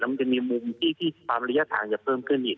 แล้วมันจะมีมุมที่ที่ความอนุญาตทางจะเพิ่มเพิ่มอีก